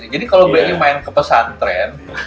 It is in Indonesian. jadi kalau bi main ke pesantren